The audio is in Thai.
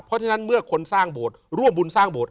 เพราะฉะนั้นเมื่อคนสร้างโบสถ์ร่วมบุญสร้างโบสถ